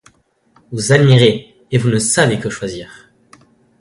Vous admirez, et vous ne savez que choisir.